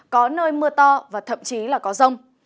có nơi mưa to và thậm chí là có rông